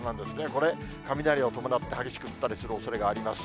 これ、雷を伴って激しく降ったりするおそれがあります。